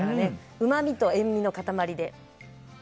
うまみと塩みの塊で。